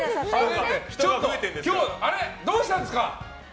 今日、どうしたんですか？